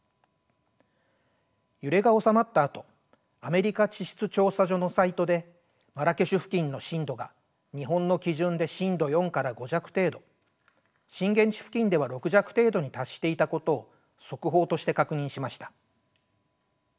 揺れが収まったあとアメリカ地質調査所のサイトでマラケシュ付近の震度が日本の基準で震度４から５弱程度震源地付近では６弱程度に達していたことを速報として確認しました。